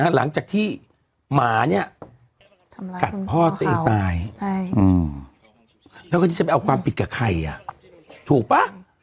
หลังจากที่หมาเนี่ยกัดพ่อตัวเองตายแล้วก็ที่จะไปเอาความผิดกับใครถูกป่ะ